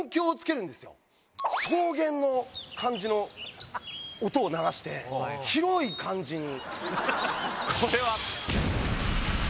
草原の感じの音を流して広い感じに。